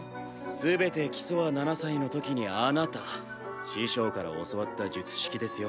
全て基礎は７歳のときにあなた師匠から教わった術式ですよ。